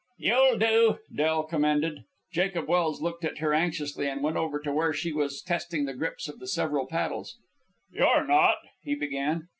"You'll do," Del commended. Jacob Welse looked at her anxiously, and went over to where she was testing the grips of the several paddles. "You're not ?" he began.